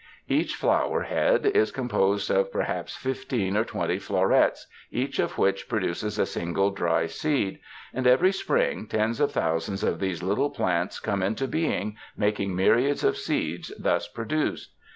Each flower head is composed of perhaps fifteen or twenty florets, each of which produces a single dry seed; and every spring tens of thousands of these little plants come into being, making myriads of seeds thus produced.